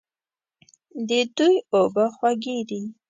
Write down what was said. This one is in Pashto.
د دوی اوبه خوږې دي.